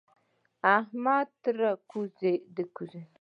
احمد تر کوزدې يوه مياشت روسته پښه خلاصه کړه.